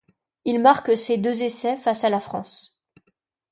Il marque ces deux essais face à la France.